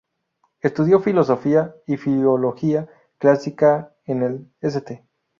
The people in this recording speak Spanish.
Estudió Filosofía y Filología Clásica en el St.